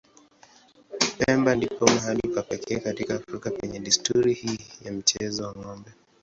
Pemba ndipo mahali pa pekee katika Afrika penye desturi hii ya mchezo wa ng'ombe.